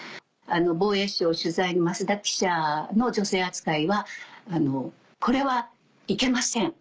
防衛省取材の増田記者の女性扱いはこれはいけません。